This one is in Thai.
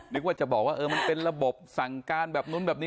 นึกว่าจะบอกว่ามันเป็นระบบสั่งการแบบนู้นแบบนี้